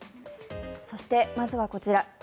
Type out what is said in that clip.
そして、まずはこちら。